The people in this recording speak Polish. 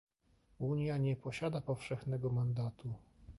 Unia nie posiada powszechnego mandatu